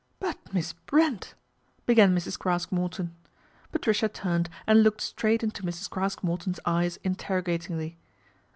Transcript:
' But, Miss Brent," began Mrs. Craske Morton. Patricia turned and looked straight into Mrs. Craske Morton's eyes interrogatingly.